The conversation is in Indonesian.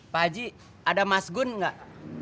pak haji ada mas gun nggak